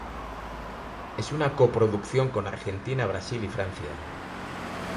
Es una co-producción con Argentina, Brasil y Francia.